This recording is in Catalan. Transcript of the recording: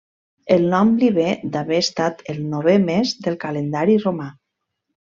El nom li ve d'haver estat el novè mes del calendari romà.